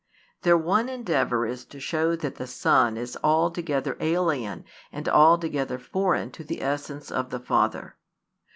Their one endeavour is to show that the Son is altogether alien and altogether foreign to the essence of the Father.